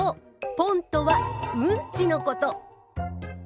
「ポン」とは「うんち」のこと。